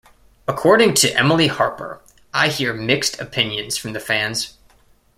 According to Emily Harper, I hear mixed opinions from the fans.